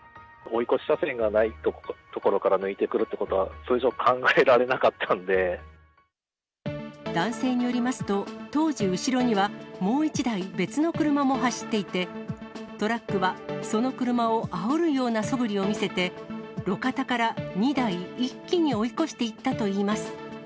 追い越し車線がない所から抜いてくるということは、通常考えられ男性によりますと、当時、後ろにはもう１台、別の車も走っていて、トラックは、その車をあおるようなそぶりを見せて、路肩から２台一気に追い越していったといいます。